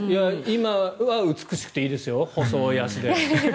今は美しくていいですよ細い足で。